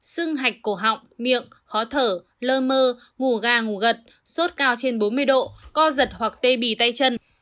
sưng hạch cổ họng miệng khó thở lơ mơ ngủ gà ngủ gật sốt cao trên bốn mươi độ co giật hoặc tê bì tay chân